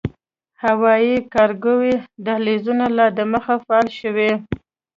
هوايي کارګو دهلېزونه لا دمخه “فعال” شوي